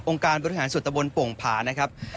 องค์การบริหารสุตบนโปรงภานะครับ